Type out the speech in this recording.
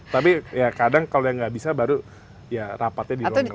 tapi ya kadang kalau yang nggak bisa baru ya rapatnya di ruang yang lain